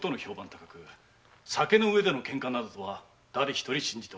高く酒の上でのケンカなどとはだれ一人信じておりません。